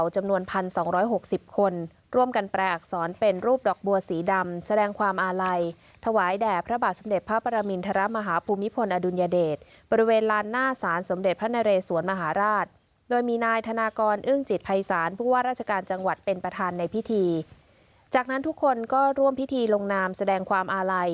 จำนวน๑๒๖๐คนร่วมกันแปลอักษรเป็นรูปดอกบัวสีดำแสดงความอาลัยถวายแด่พระบาทสมเด็จพระปรมินทรมาฮภูมิพลอดุลยเดชบริเวณลานหน้าศาลสมเด็จพระนเรสวนมหาราชโดยมีนายธนากรอึ้งจิตภัยศาลผู้ว่าราชการจังหวัดเป็นประธานในพิธีจากนั้นทุกคนก็ร่วมพิธีลงนามแสดงความอาลัย